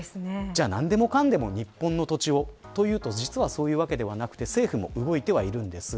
何でもかんでも日本の土地をというと実は、そういうわけではなく政府も動いています。